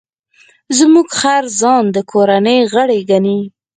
زموږ خر ځان د کورنۍ غړی ګڼي.